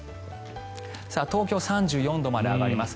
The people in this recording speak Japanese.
東京、３４度まで上がります。